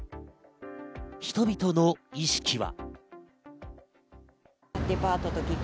人々の意識は。